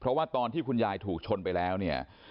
เพราะว่าตอนที่คุณยายถูกชนไปแล้วเนี่ย